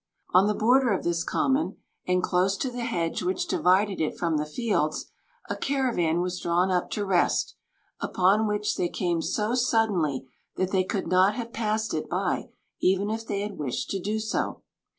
On the border of this common, and close to the hedge which divided it from the fields, a caravan was drawn up to rest, upon which they came so suddenly that they could not have passed it by even if they had wished to do so.